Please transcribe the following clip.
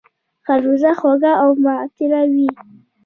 خربوزه خوږه او معطره وي